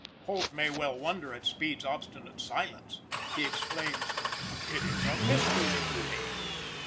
Holt may well wonder at Speed's obstinate silence. He exclaims: "It is a mystery to me."